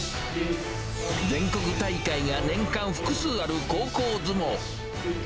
全国大会や年間複数ある高校相撲。